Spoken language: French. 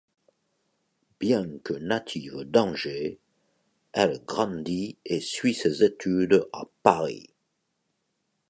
Bien que native d'Angers, elle grandit et suit ses études à Paris.